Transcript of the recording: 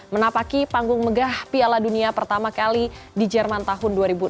menapaki panggung megah piala dunia pertama kali di jerman tahun dua ribu enam